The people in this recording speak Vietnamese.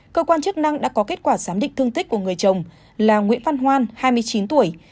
cơ quan chức năng đã có kết quả giám định thương tích của người chồng là nguyễn văn hoan hai mươi chín tuổi